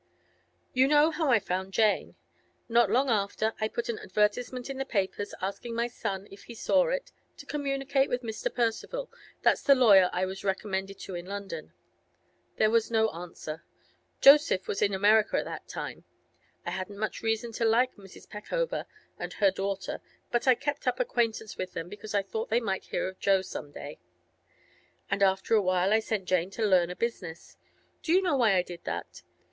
'You know how I found Jane. Not long after, I put an advertisement in the papers, asking my son, if he saw it, to communicate with Mr. Percival—that's the lawyer I was recommended to in London. There was no answer; Joseph was in America at that time. I hadn't much reason to like Mrs. Peckover and her daughter, but I kept up acquaintance with them because I thought they might hear of Jo some day. And after a while I sent Jane to learn a business. Do you know why I did that?